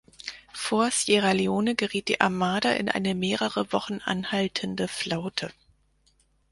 Vor Sierra Leone geriet die Armada in eine mehrere Wochen anhaltende Flaute.